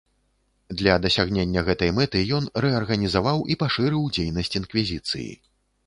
Для дасягнення гэтай мэты ён рэарганізаваў і пашырыў дзейнасць інквізіцыі.